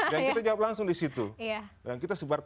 dan kita jawab langsung disitu